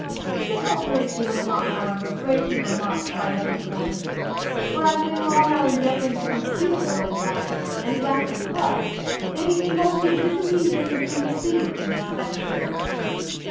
This alteration was not, however, greatly remarked by any present; for as they were all now endeavouring to conceal their own thoughts, and to act a part, they became all too busily engaged in the scene to be spectators of it.